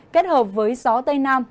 kết hợp với gió tây nam